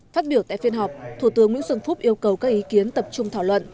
phát biểu tại phiên họp thủ tướng nguyễn xuân phúc yêu cầu các ý kiến tập trung thảo luận